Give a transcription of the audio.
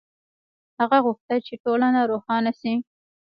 هغه غوښتل چې ټولنه روښانه شي.